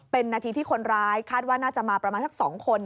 เป็นนาทีที่คนร้ายคาดว่าน่าจะมาประมาณสัก๒คน